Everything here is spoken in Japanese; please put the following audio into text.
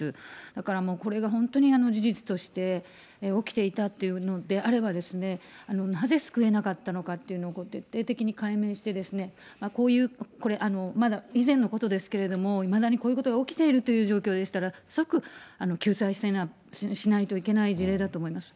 だからもうこれが本当に事実として起きていたっていうのであれば、なぜ救えなかったのかっていうのを徹底的に解明して、こういう、これ、まだ以前のことですけれども、いまだにこういうことが起きているという状況でしたら、即救済しないといけない事例だと思います。